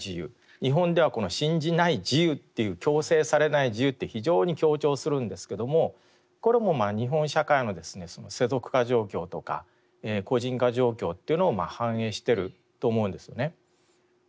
日本ではこの信じない自由っていう強制されない自由って非常に強調するんですけどもこれも日本社会の世俗化状況とか個人化状況というのを反映してると思うんですよね。